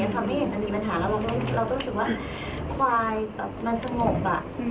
ทำให้เห็นมีปัญหาเราก็รู้สึกว่าควายมันสงบ